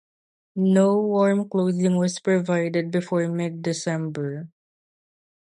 No warm clothing was provided before mid-December.